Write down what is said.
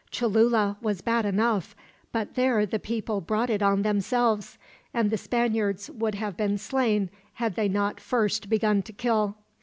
Cholula was bad enough, but there the people brought it on themselves; and the Spaniards would have been slain, had they not first begun to kill.